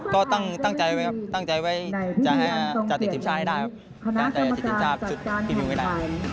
ก็ตั้งใจเว้ยจัดจุดทีมชาติให้ได้